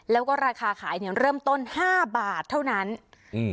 แล้วก็ราคาขายเนี้ยเริ่มต้นห้าบาทเท่านั้นอืม